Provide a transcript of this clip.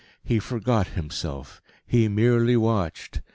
He forgot himself. He merely watched.